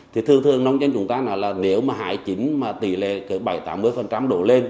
thì thường thường nông dân chúng ta là nếu mà hái chín tỷ lệ bảy mươi tám mươi đổ lên